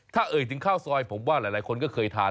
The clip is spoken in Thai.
ถ้าเอ่ยถึงข้าวซอยผมว่าหลายคนก็เคยทาน